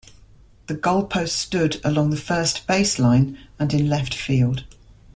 The goalposts stood along the first base line and in left field.